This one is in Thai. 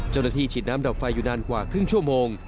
เจ้าหน้าที่ฉีดน้ำดับไฟอยู่นานกว่าครึ่งชั่วโมง